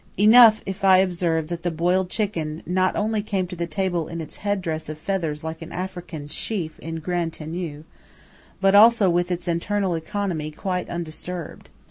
Enough if I observe that the boiled chicken not only came to table in its headdress of feathers like an African chief en grande tenue, but also with its internal economy quite undisturbed.